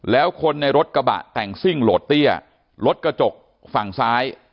แล้วคนในรถกระบะแต่งซิ่งโหลดเตี้ยรถกระจกฝั่งซ้าย